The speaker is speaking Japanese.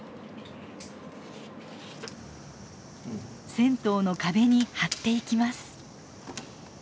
銭湯の壁に貼っていきます。